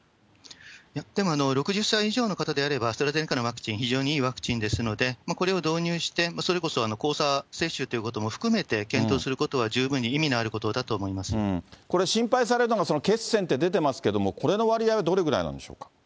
でも６０歳以上の方であれば、非常にいいワクチンですので、これを導入して、それこそ交差接種ということも含めて、検討することは十分に意味のあることだと思これ心配されるのが、その血栓って出てますけども、これの割合はどれぐらいなんでしょうか。